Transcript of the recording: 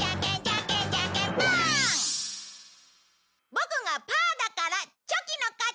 ボクがパーだからチョキの勝ち。